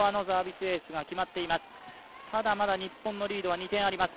まだ日本のリードは２点あります。